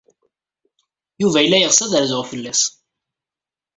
Yuba yella yeɣs ad rzuɣ fell-as.